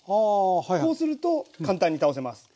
そうすると簡単に倒せます。